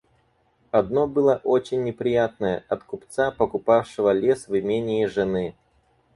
Одно было очень неприятное — от купца, покупавшего лес в имении жены.